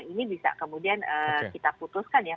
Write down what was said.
ini bisa kemudian kita putuskan ya